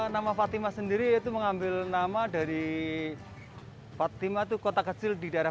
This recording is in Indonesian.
nama fatimah sendiri yaitu mengambil nama dari fatima itu kota kecil di daerah